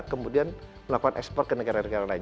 kemudian melakukan ekspor ke negara negara lain